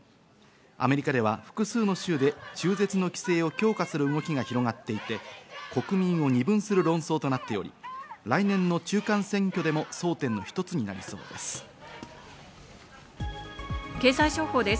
アメリカでは複数の州で中絶の規制を強化する動きが広がっていて、国民を二分する論争となっており、来年の中間選挙でも争点の一つになりそうです。